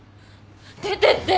出てって！